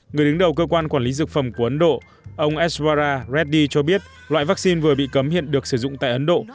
người đứng đầu cơ quan quản lý dược phẩm của ấn độ ông eswara reddy cho biết loại vaccine vừa bị cấm hiện được sử dụng tại ấn độ